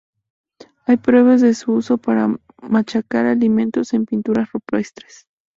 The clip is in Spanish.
Hay pruebas de su uso para machacar alimentos en pinturas rupestres.